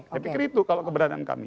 tapi kiritu kalau keberadaan kami